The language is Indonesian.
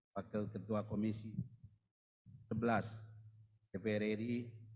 wakil ketua komisi sebelas dpr ri